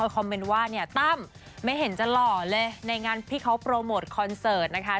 คอมเมนต์ว่าเนี่ยตั้มไม่เห็นจะหล่อเลยในงานที่เขาโปรโมทคอนเสิร์ตนะคะ